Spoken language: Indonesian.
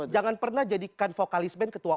jangan pernah jadikan vokalis band ketua